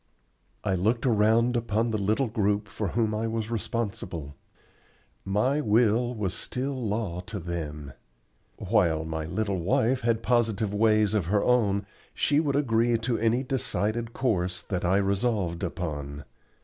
I looked around upon the little group for whom I was responsible. My will was still law to them. While my little wife had positive ways of her own, she would agree to any decided course that I resolved upon.